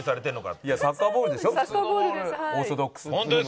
オーソドックスな。